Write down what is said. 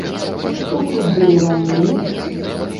Што тут было раней?